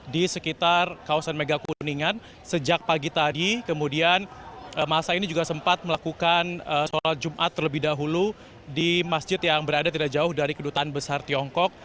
di sekitar kawasan megakuningan sejak pagi tadi kemudian masa ini juga sempat melakukan sholat jumat terlebih dahulu di masjid yang berada tidak jauh dari kedutaan besar tiongkok